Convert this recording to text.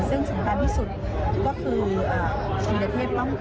ซึ่งสำคัญที่สุดก็คือบริเวณเทศป้องขัม